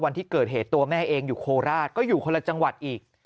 วันที่เกิดเหตุตัวแม่เองอยู่โคราชก็อยู่คนละจังหวัดอีก